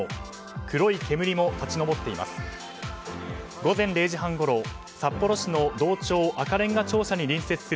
黒い煙も立ち上っています。